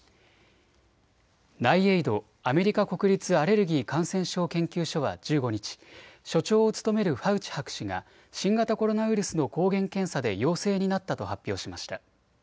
ＮＩＡＩＤ・アメリカ国立アレルギー・感染症研究所は１５日、所長を務めるファウチ博士が新型コロナウイルスの抗原検査で陽性になったと発表しました。